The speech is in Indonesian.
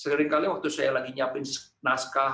seringkali waktu saya lagi nyiapin naskah